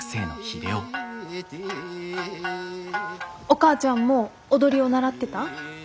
お母ちゃんも踊りを習ってた？